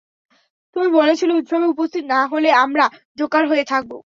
তুমি বলেছিলে উৎসবে উপস্থিত না হলে আমরা জোকার হয়ে থাকব।